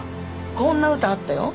こんな歌あったよ